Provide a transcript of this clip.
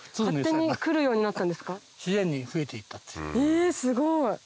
えすごい！